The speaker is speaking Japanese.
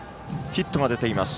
ヒットが出ています。